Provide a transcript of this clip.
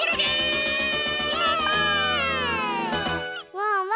ワンワン